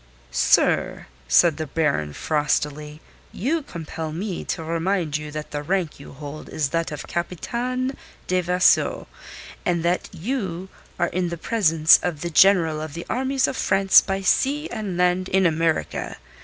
"Sir," said the Baron frostily, "you compel me to remind you that the rank you hold is that of Capitaine de Vaisseau, and that you are in the presence of the General of the Armies of France by Sea and Land in America.